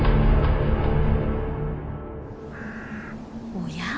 おや？